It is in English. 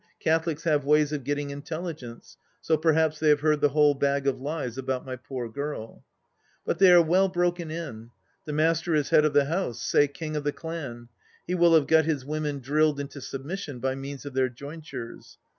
Catholics have ways of getting intelligence, so perhaps they have heard the whole bag of lies about my poor girl ? But they are well broken in ; the Master is head of the house— say King of the Clan. He will have got his women drilled into submission by means of their jointures.